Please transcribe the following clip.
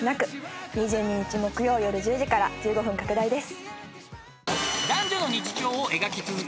２２日木曜夜１０時から１５分拡大です。